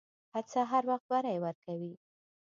هڅه هر وخت بری ورکوي.